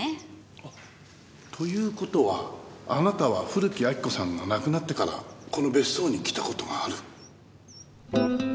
という事はあなたは古木亜木子さんが亡くなってからこの別荘に来た事がある。